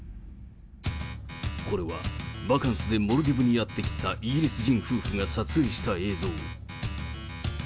これは、バカンスでモルディブにやって来た、イギリス人夫婦が撮影した映像。